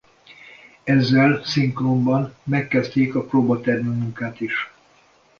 Ezzel szinkronban megkezdték a próbatermi munkát is.